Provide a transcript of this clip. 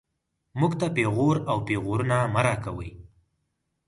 موږ ته پېغور او پېغورونه مه راکوئ